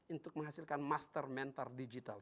untuk menghasilkan master mental digital